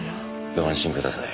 ご安心ください。